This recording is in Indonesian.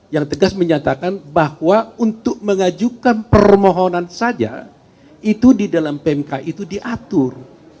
yang tegas menyatakan bahwa untuk mengajukan permohonan saja itu di dalam pmk itu diatur